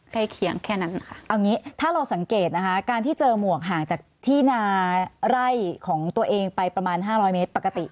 เคียงแค่นั้นค่ะเอางี้ถ้าเราสังเกตนะคะการที่เจอหมวกห่างจากที่นาไร่ของตัวเองไปประมาณ๕๐๐เมตรปกติ